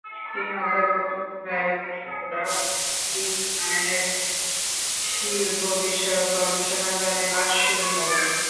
তিনি অধ্যাপক গ্যাব্রিয়েল লিপম্যানের শিল্পভিত্তিক গবেষণাগারে কাজ শুরু করেন।